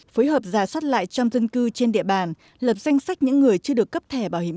phối hợp giả soát lại trong dân cư trên địa bàn lập danh sách những người chưa được cấp thẻ bảo hiểm